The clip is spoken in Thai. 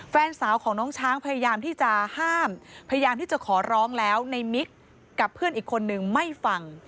แฟนสาวของน้องช้างพยายามที่จะห้ามพยายามที่จะขอร้องแล้วในมิกกับเพื่อนอีกคนนึงไม่ฟัง